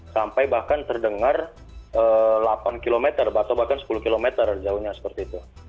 sampai bahkan terdengar delapan km atau bahkan sepuluh km jauhnya seperti itu